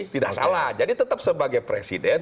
tidak salah jadi tetap sebagai presiden